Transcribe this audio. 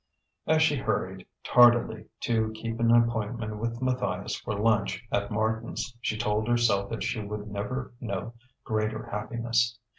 As she hurried, tardily, to keep an appointment with Matthias for lunch at Martin's, she told herself that she would never know greater happiness.